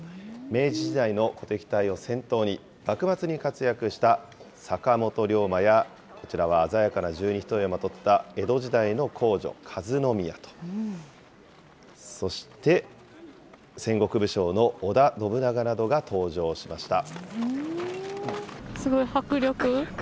明治時代の鼓笛隊を先頭に幕末に活躍した坂本龍馬やこちらは鮮やかな十二ひとえをまとった江戸時代の皇女・和宮と、そして戦国武将の織田信長などが登場しました。